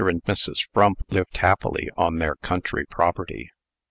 and Mrs. Frump lived happily on their country property.